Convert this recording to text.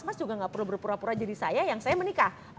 mas juga nggak perlu berpura pura jadi saya yang saya menikah